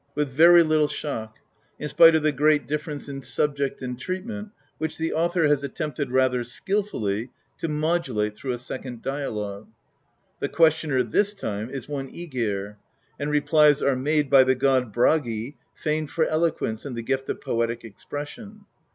xvi INTRODUCTION very little shock, in spite of the great difFerence in subject and treatment, which the author has attempted, rather skil fully, to modulate through a second dialogue. The ques tioner this time is one iEgir; and replies are made by the god Bragi, famed for eloquence and the gift of poetic ex pression.